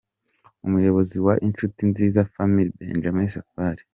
Umuyobozi wa Inshuti Nziza Family, Benjamin Safari.